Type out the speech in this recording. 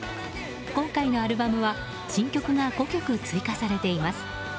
今回のアルバムは新曲が５曲追加されています。